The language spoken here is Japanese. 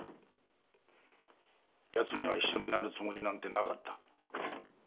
奴には一緒になるつもりなんてなかった。